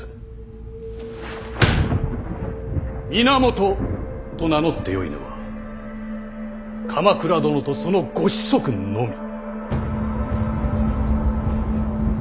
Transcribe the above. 源と名乗ってよいのは鎌倉殿とそのご子息のみ。